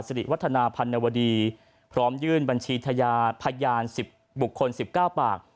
สิริวัฒนาพันนวดีพร้อมยื่นบัญชีทยาพยาน๑๐บุคคล๑๙ปาก